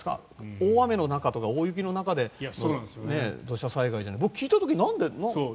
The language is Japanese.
大雨の中とか大雪の中での土砂災害で僕、聞いた時になんでって。